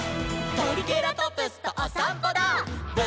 「トリケラトプスとおさんぽダー！！」